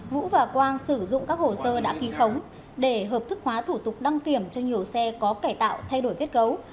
vũ và quang sử dụng các hồ sơ đã ký khống để hợp thức hóa thủ tục đăng kiểm cho nhiều xe có cải tạo thay đổi kết cấu